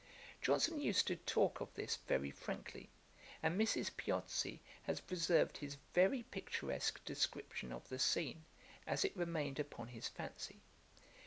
Johnson used to talk of this very frankly; and Mrs. Piozzi has preserved his very picturesque description of the scene, as it remained upon his fancy.